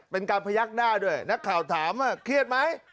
เป็นการพยักหน้าด้วยนักข่าวถามว่าเครียดไหม